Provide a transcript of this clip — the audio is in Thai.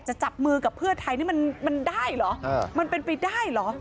จับมือกับเพื่อไทยนี่มันได้เหรอมันเป็นไปได้เหรอ